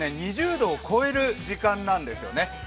２０度を超える時間なんですよね。